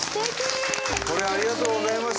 ありがとうございます。